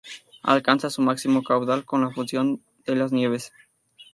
Alcanza su máximo caudal con la fusión de las nieves.